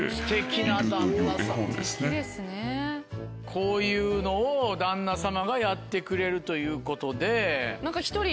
こういうのを旦那様がやってくれるということで。